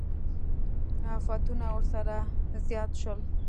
افتونه ورسره زیات شول.